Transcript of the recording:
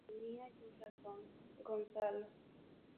Tenía yo razón, Gonzalo.